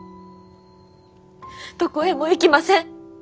どこへも行きません。